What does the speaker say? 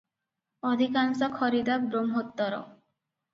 ଅଧିକାଂଶ ଖରିଦା ବ୍ରହ୍ମୋତ୍ତର ।